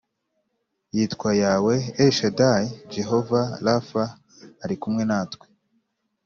Yitwa yawe el shadai jehova rafa ari kumwe natwe